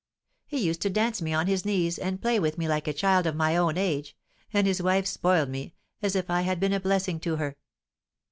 He used to dance me on his knees, and play with me like a child of my own age; and his wife spoiled me, as if I had been a blessing to her.